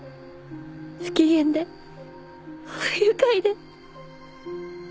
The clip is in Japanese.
不機嫌で不愉快で